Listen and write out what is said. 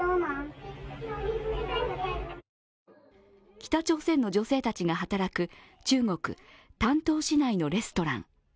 北朝鮮の女性たちが働く中国・丹東市内のレストラン。